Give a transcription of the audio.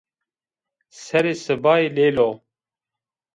Serê sibayî lêl o